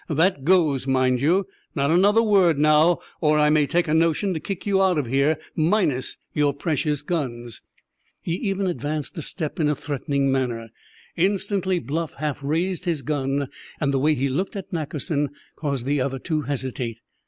That goes, mind you! Not another word, now, or I may take a notion to kick you out of here, minus your precious guns!" He even advanced a step in a threatening manner. Instantly Bluff half raised his gun, and the way he looked at Nackerson caused the other to hesitate.